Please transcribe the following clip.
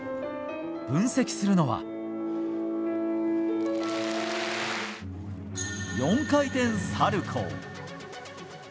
分析するのは４回転サルコウ。